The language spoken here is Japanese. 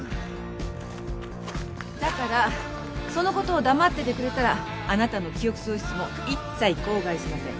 だからその事を黙っててくれたらあなたの記憶喪失も一切口外しません。